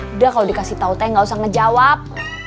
udah kalo dikasih tau teh gak usah ngejawab